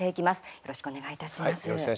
よろしくお願いします。